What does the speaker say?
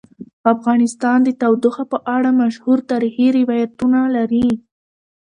افغانستان د تودوخه په اړه مشهور تاریخی روایتونه لري.